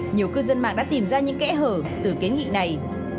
nhiều cư dân mạng đã tìm ra những kẽ hở từ kiến nghị này